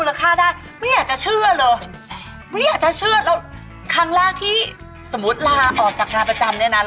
แล้วเป็นขโมยหิน